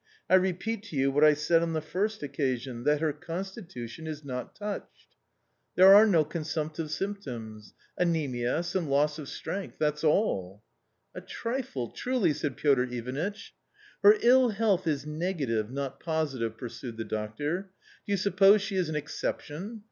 I repeat to you what I said on the first occasion f "that Tier constitution is not touched ; I — 268 A COMMON STORY there are no consumptive symptoms. Anae mia, some lo ss of gflggaFTO fs a l l. "'~^"~ trine, truly !" said Piotr Ivanitch. " Her ill health is negative, not positive," pursued the doctor. "Do you suppose she is an exception?